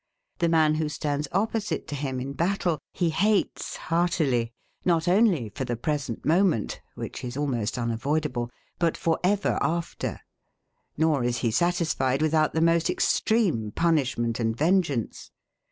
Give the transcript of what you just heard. The man who stands opposite to him in battle, he hates heartedly, not only for the present moment, which is almost unavoidable, but for ever after; nor is he satisfied without the most extreme punishment and vengeance.